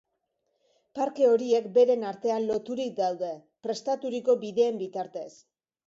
Parke horiek beren artean loturik daude, prestaturiko bideen bitartez.